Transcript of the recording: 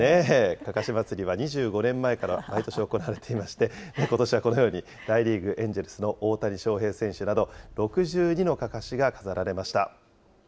かかし祭りは２５年前から毎年行われていまして、ことしはこのように、大リーグ・エンジェルスの大谷翔平選手など、６２のかかしが飾られました。